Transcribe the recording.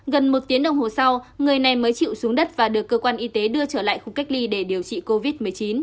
gần một tiếng đồng hồ sau người này mới chịu xuống đất và được cơ quan y tế đưa trở lại khu cách ly để điều trị covid một mươi chín